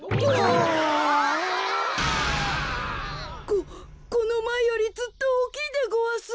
ここのまえよりずっとおおきいでごわす。